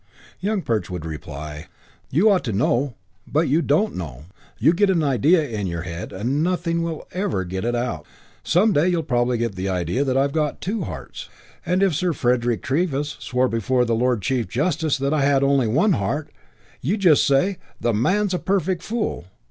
Young Perch would reply, "You ought to know, but you don't know. You get an idea in your head and nothing will ever get it out. Some day you'll probably get the idea that I've got two hearts and if Sir Frederick Treves swore before the Lord Chief Justice that I only had one heart you'd just say, 'The man's a perfect fool.'